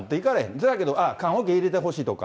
そやけど、棺桶入れてほしいとか。